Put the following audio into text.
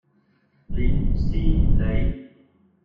林熙蕾。